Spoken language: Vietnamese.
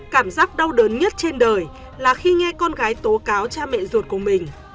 cảm giác đau đớn nhất trên đời là khi nghe con gái tố cáo cha mẹ ruột của mình